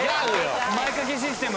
前かけシステム？